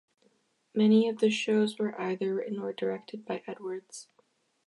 Many of the shows were either written or directed by Edwards.